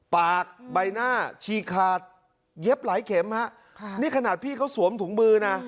ใบหน้าฉีกขาดเย็บหลายเข็มฮะค่ะนี่ขนาดพี่เขาสวมถุงมือนะ